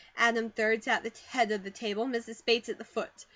Adam, 3d, sat at the head of the table, Mrs. Bates at the foot.